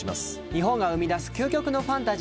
日本が生み出す究極のファンタジーの世界。